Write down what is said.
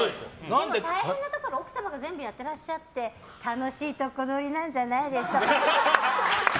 大変なところを奥様が全部やってらっしゃって楽しいとこどりなんじゃないですか？